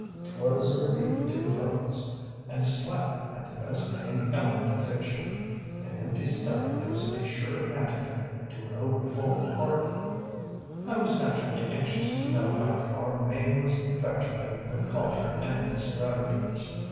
ŌĆÖTwas a rebuke to the poets and a slap at the best paying element of fiction. An empty stomach is a sure antidote to an overfull heart. ŌĆ£I was naturally anxious to know how far Mame was infatuated with Collier and his stratagems.